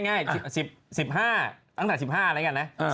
ง่าย๑๕ตั้งแต่๑๕แล้วกันนะ